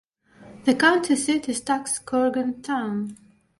The county seat is Taxkorgan Town.